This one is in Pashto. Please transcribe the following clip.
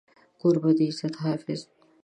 کوربه د عزت حافظ وي.